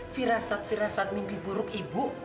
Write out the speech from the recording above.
firasa firasat mimpi buruk ibu